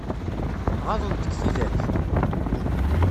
Ɣaḍent-k tidak?